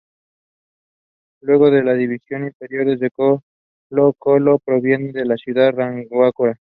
Llegó a las divisiones inferiores de Colo-Colo proveniente de la ciudad de Rancagua.